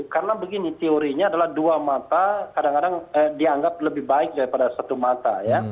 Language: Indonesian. karena begini teorinya adalah dua mata kadang kadang dianggap lebih baik daripada satu mata ya